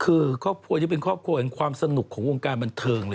คือครอบครัวนี้เป็นครอบครัวแห่งความสนุกของวงการบันเทิงเลย